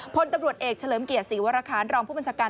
พลตำรวจเอกเฉลิมเกียรติศรีวรคารรองผู้บัญชาการ